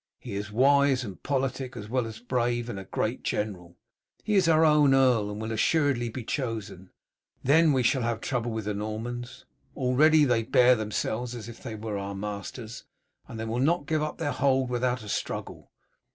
He is wise and politic as well as brave, and a great general. He is our own earl, and will assuredly be chosen. Then we shall have trouble with the Normans. Already they bear themselves as if they were our masters, and they will not give up their hold without a struggle.